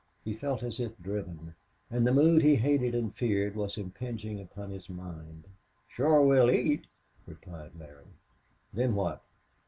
He felt as if driven. And the mood he hated and feared was impinging upon his mind. "Shore we'll eat," replied Larry. "Then what?"